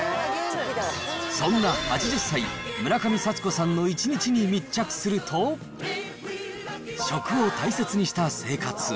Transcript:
そんな８０歳、村上祥子さんの１日に密着すると、食を大切にした生活。